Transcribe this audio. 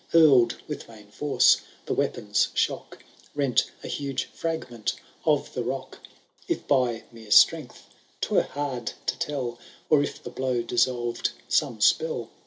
HurPd with main force, the weapon's shock Rent a huge fragment of the rock. If by mere strength, *twere hard to tell, Or if the blow dissol?ed some spell.